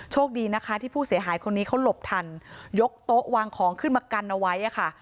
โชคดีนะคะที่ผู้เสียหายคนนี้เขาหลบทันยกโต๊ะวางของขึ้นมากันเอาไว้ค่ะ